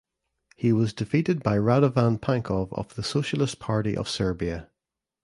He was defeated by Radovan Pankov of the Socialist Party of Serbia.